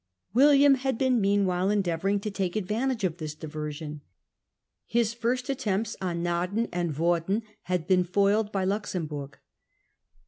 William had been meanwhile endeavouring to take advantage of this diversion. His first attempts, on William Naarden and Woerden, had been foiled by Charleroi • Luxemburg.